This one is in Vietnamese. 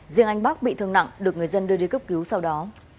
riêng anh bắc bị thương nặng được người dân đưa đi cấp cứu sau đó